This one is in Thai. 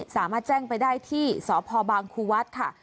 สามารถแจ้งไปได้ที่สพคุวัฒน์ค่ะ